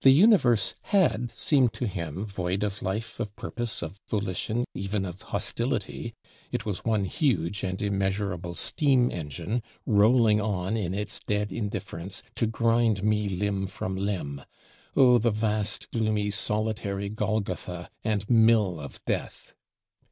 The universe had seemed to him "void of life, of purpose, of volition, even of hostility; it was one huge and immeasurable steam engine, rolling on in its dead indifference, to grind me limb from limb. Oh, the vast, gloomy, solitary Golgotha and mill of death!"